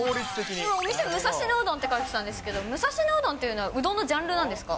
お店に武蔵野うどんって書いてあったんですけど、武蔵野うどんというのは、うどんのジャンルなんですか？